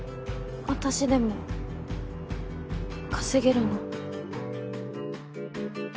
私でも稼げるの？